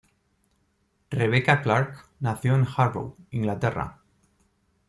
Rebecca Clarke nació en Harrow, Inglaterra.